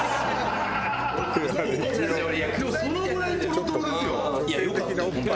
でもそのぐらいトロトロですよ。